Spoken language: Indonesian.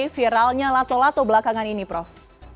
viralnya lato lato belakangan ini prof